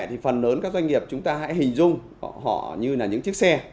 thì phần lớn các doanh nghiệp chúng ta hãy hình dung họ như là những chiếc xe